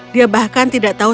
dia bahkan tidak tahu